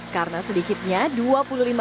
karena sedikitnya dua puluh lima titik penyelam